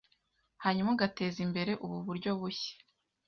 hanyuma ugateza imbere ubu buryo bushya